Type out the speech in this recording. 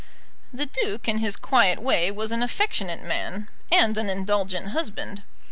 The Duke in his quiet way was an affectionate man, and an indulgent husband.